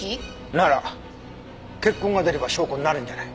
なら血痕が出れば証拠になるんじゃない？